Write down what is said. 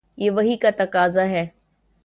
یہ وحی کا تقاضا ہے۔